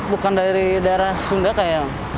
bukan dari daerah sunda kayak